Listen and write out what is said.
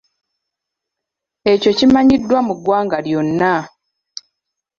Ekyo kimanyiddwa mu ggwanga lyonna.